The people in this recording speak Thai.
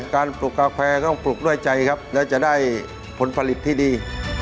ปลูกกาแฟต้องปลูกด้วยใจครับและจะได้ผลผลิตที่ดี